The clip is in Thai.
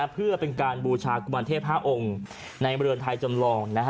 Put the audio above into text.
เพื่อเป็นการบูชากุมารเทพ๕องค์ในเมืองไทยจำลอง